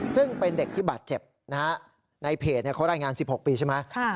ซึ่งเป็นเด็กที่บาดเจ็บนะฮะในเพจเขารายงาน๑๖ปีใช่ไหม